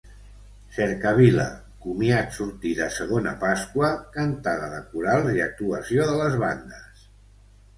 Cercavila, comiat sortida segona Pasqua; Cantada de Corals i actuació de les bandes.